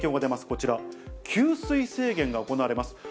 こちら、給水制限が行われます。